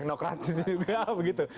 teknokratis ya begitu